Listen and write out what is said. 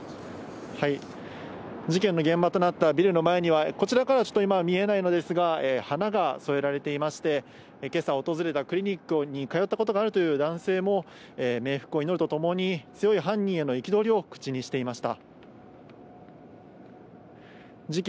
事件の現場となったビルの前には、こちらからは見えないのですが花がそえられていて、訪れたクリニックに通ったことがあるという男性も冥福を祈るとともに、強い犯人への憤りを口にしていました。